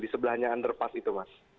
di sebelahnya underpass itu mas